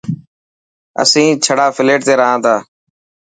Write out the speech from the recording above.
اسين ڇڙا فليٽ تي رها تا.